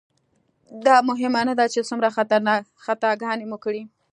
دا مهمه نه ده چې څومره خطاګانې مو کړي.